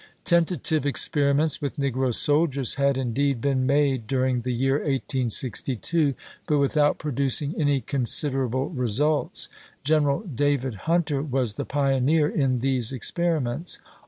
Tentative experiments with negro soldiers had, indeed, been made during the year 1862, but with NEGKO SOLDIERS 443 out producing any considerable results. General chap.xx. David Hunter was the pioneer in these experi ments.